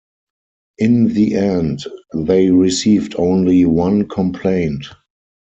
In the end they received only one complaint.